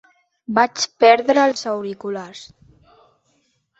Vaig perdre els auriculars.